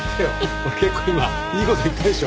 俺結構今いい事言ったでしょ。